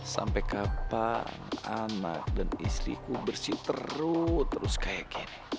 sampai kapan anak dan istriku bersih terus kayak gini